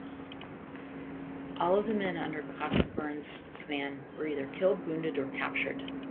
All of the men under Cockburn's command were either killed, wounded or captured.